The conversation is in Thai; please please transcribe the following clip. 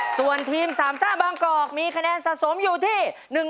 ส่วนทีมสามซ่าบางกอกมีคะแนนสะสมอยู่ที่